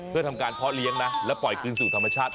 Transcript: เพื่อทำการเพาะเลี้ยงนะแล้วปล่อยคืนสู่ธรรมชาติ